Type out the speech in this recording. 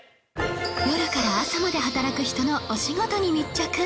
夜から朝まで働く人のお仕事に密着